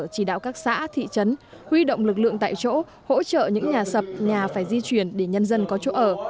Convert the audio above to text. chỉ đạo các xã thị trấn huy động lực lượng tại chỗ hỗ trợ những nhà sập nhà phải di chuyển để nhân dân có chỗ ở